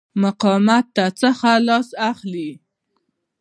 مقاومته څخه لاس اخلي.